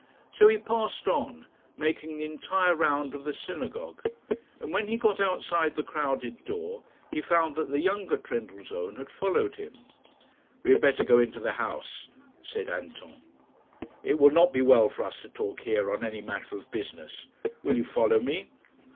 So he passed on, making the entire round of the synagogue; and when he got outside the crowded door, he found that the younger Trendellsohn had followed him. "We had better go into the house," said Anton; "it will not be well for us to talk here on any matter of business. Will you follow me?"